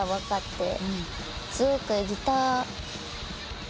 すごくギターが。